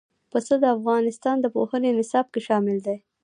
پسه د افغانستان د پوهنې نصاب کې شامل دي.